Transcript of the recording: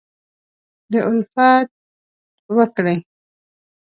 دالفت وکړي